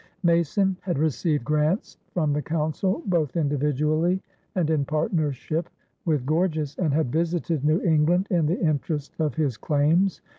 Mason had received grants from the Council, both individually and in partnership with Gorges, and had visited New England in the interest of his claims.